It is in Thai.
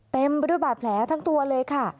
เต็มไปด้วยบาดแผลทั้งตัวเลยค่ะ